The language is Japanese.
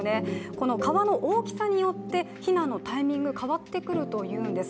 この川の大きさによって避難のタイミング、変わってくるというんです。